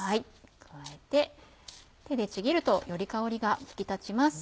加えて手でちぎるとより香りが引き立ちます。